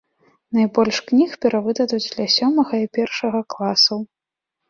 Найбольш кніг перавыдадуць для сёмага і першага класаў.